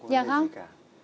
không có gì cả